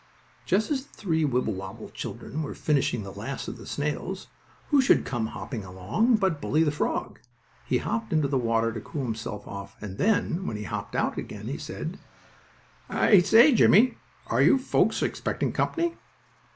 Just as the three Wibblewobble children were finishing the last of the snails, who should come hopping along but Bully, the frog. He hopped into the water to cool himself off and then, when he had hopped out again, he asked: "I say, Jimmie, are your folks expecting company?"